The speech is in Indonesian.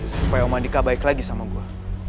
supaya om adhika baik lagi sama gua